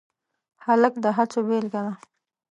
هلک د هڅو بیلګه ده.